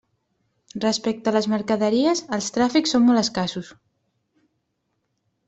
Respecte a les mercaderies, els tràfics són molt escassos.